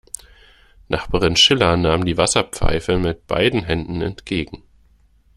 Nachbarin Schiller nahm die Wasserpfeife mit beiden Händen entgegen.